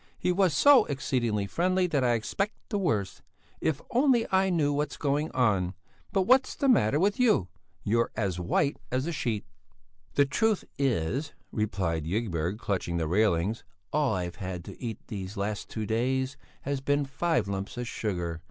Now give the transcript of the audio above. He was so exceedingly friendly that I expect the worst. If only I knew what's going on! But what's the matter with you? You're as white as a sheet." "The truth is," replied Ygberg, clutching the railings, "all I've had to eat these last two days has been five lumps of sugar.